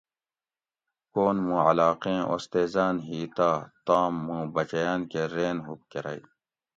کون موں علاقیں اُستیزاۤن ہی تہ تام موں بچیاۤن کہ رین ہُوب کرئی